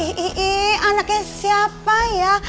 ih ih ih anaknya siapa ya